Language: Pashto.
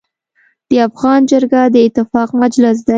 د افغان جرګه د اتفاق مجلس دی.